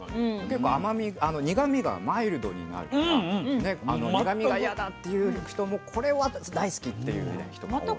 結構苦みがマイルドになるからねあの苦みが嫌だっていう人もこれは大好きっていう人も多い。